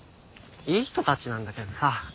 いい人たちなんだけどさ